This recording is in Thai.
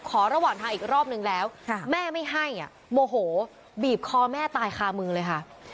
ระหว่างทางอีกรอบนึงแล้วแม่ไม่ให้โมโหบีบคอแม่ตายคามือเลยค่ะ